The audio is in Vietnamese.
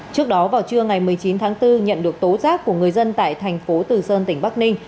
trước đó vào trưa ngày một mươi chín tháng bốn nhận được tố giác của người dân tại thành phố từ sơn tỉnh bắc ninh